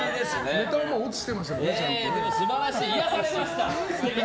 ネタは落ちてましたね